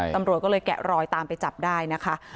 ตำรวจก็เลยแกะรอยตามไปจับได้นะคะ